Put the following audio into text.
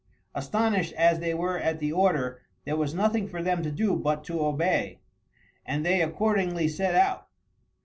Astonished as they were at the order, there was nothing for them to do but to obey, and they accordingly set out.